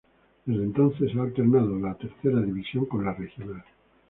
Desde entonces, ha alternado la Tercera División con la regional.